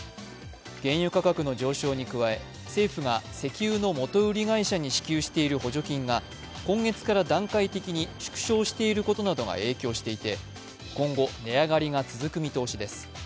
原油価格の上昇に加え、政府が石油の元売り会社に支給している補助金が今月から段階的に縮小していることなどが影響していて今後、値上がりが続く見通しです。